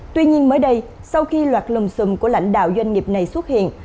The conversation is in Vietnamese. tuy nhiên mới đây sau khi loạt lùng xùm của lãnh đạo doanh nghiệp này xuất hiện